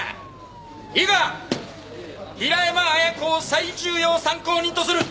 いいか平山亜矢子を最重要参考人とする！